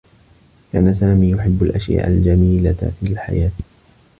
كان سامي يحبّ الأشياء الجميلة في الحياة.